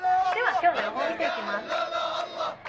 では、今日の予報を見ていきます。